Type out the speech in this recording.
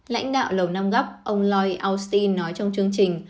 lãnh đạo lầu năm góc ông lloyd austin nói trong chương trình